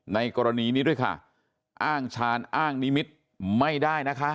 ในกรณีนี้ด้วยค่ะอ้างชาญอ้างนิมิตรไม่ได้นะคะ